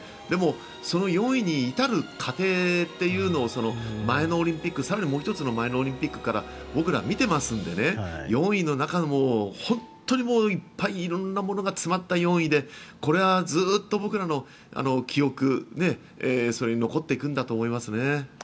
でもその４位に至る過程というのを前のオリンピック、更にもう１つ前のオリンピックから僕ら、見てますので４位の中の本当にいっぱい色んなものが詰まった４位でこれはずっと僕らの記憶に残っていくんだと思いますね。